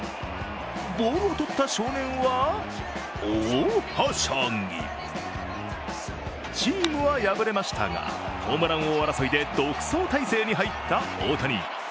ボールを捕った少年は、大はしゃぎチームは敗れましたが、ホームラン王争いで独走態勢に入った大谷。